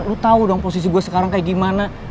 lo tau dong posisi gue sekarang kayak gimana